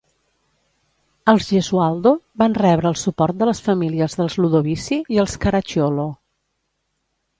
Els Gesualdo van rebre el suport de les famílies dels Ludovisi i els Caracciolo.